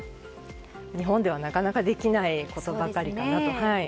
日本ではなかなかできないことばかりかなと。